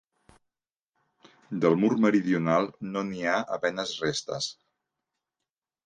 Del mur meridional no n'hi ha a penes restes.